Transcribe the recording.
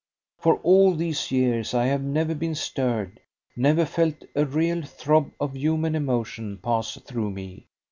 For all these years I have never been stirred, never felt a real throb of human emotion pass through me.